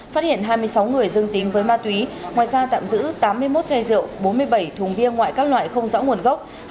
phát hiện hai mươi sáu người dương tính với ma túy ngoài ra tạm giữ tám mươi một chai rượu bốn mươi bảy thùng bia ngoại các loại không rõ nguồn gốc